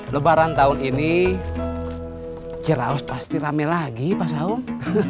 lebaran tahun ini jerawas pasti rame lagi pak saung